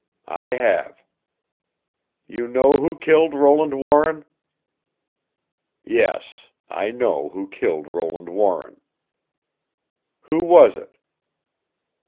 "I have." "You know who killed Roland Warren?" "Yes I know who killed Roland Warren!" "Who was it?"